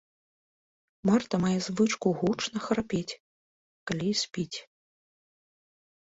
Марта мае звычку гучна храпець, калі спіць.